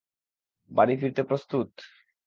বাড়ি ফিরতে প্রস্তুত?